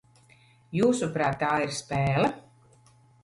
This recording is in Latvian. Jūsuprāt, tā ir spēle?